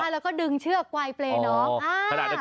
แล้วก็ดึงเชือกไกลเปรย์น้อง